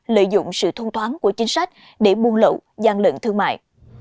lợi dụng sự thông thoáng của chính sách để buôn lậu gian lận thương mại